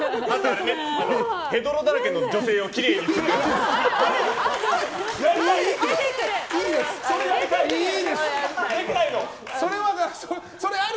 へどろだけの女性をきれいにする。